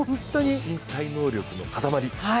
身体能力の塊。